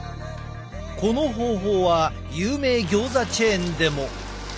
この方法は有名ギョーザチェーンでも。